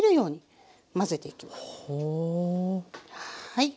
はい。